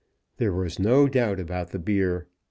There was no doubt about the beer.